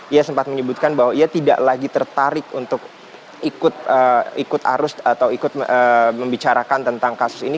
ia sempat menyebutkan bahwa ia tidak lagi tertarik untuk ikut arus atau ikut membicarakan tentang kasus ini